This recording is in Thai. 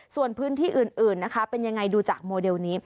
ส่วนพื้นที่อื่นนะคะเป็นยังไงดูจากโมเดลนี้